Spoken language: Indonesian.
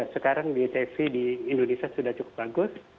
sekarang deteksi di indonesia sudah cukup bagus